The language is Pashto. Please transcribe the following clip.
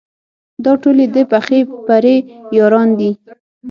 دا ټول یې د پخې پرې یاران دي.